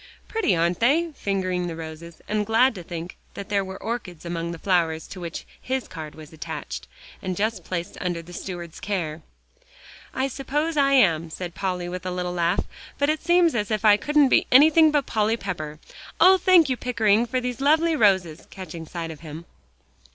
"Pretty, aren't they?" fingering the roses, and glad to think that there were orchids among the flowers to which his card was attached, and just placed under the steward's care. "I suppose I am," said Polly, with a little laugh, "but it seems as if I couldn't be anything but Polly Pepper. Oh! thank you, Pickering, for these lovely roses," catching sight of him.